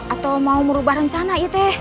atau mau merubah rencana